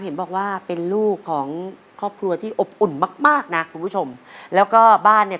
เห็นบอกว่าเป็นลูกของครอบครัวที่อบอุ่นมากมากนะคุณผู้ชมแล้วก็บ้านเนี่ย